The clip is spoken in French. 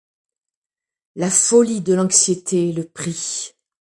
La folie de l’anxiété le prit.